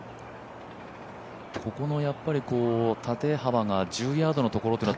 ここの縦幅が１０ヤードのところが。